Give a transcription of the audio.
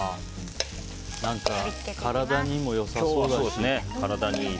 何か、体にも良さそうだし。